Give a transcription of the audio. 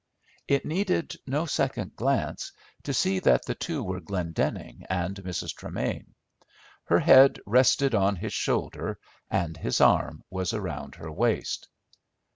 It needed no second glance to see that the two were Glendenning and Mrs. Tremain. Her head rested on his shoulder, and his arm was around her waist.